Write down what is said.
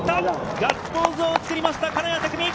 ガッツポーズを作りました、金谷拓実。